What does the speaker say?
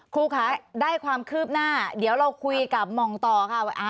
ครูคะได้ความคืบหน้าเดี๋ยวเราคุยกับหม่องต่อค่ะว่า